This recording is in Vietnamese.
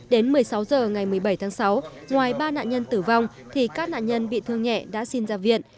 đến một mươi sáu h ngày một mươi bảy tháng sáu ngoài ba nạn nhân tử vong thì các nạn nhân bị thương nhẹ đã xin ra viện